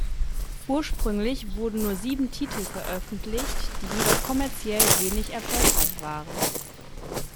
Ursprünglich wurden nur sieben Titel veröffentlicht, die jedoch kommerziell wenig erfolgreich waren.